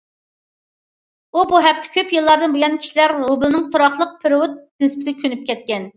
ئۇ بۇ ھەقتە كۆپ يىللاردىن بۇيان كىشىلەر رۇبلىنىڭ تۇراقلىق پېرېۋوت نىسبىتىگە كۆنۈپ كەتكەن.